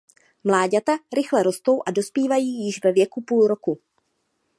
Mláďata rychle rostou a dospívají již ve věku půl roku.